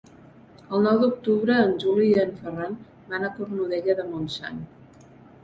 El nou d'octubre en Juli i en Ferran van a Cornudella de Montsant.